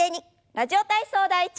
「ラジオ体操第１」。